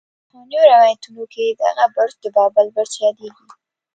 په پخوانو روايتونو کې دغه برج د بابل برج يادېږي.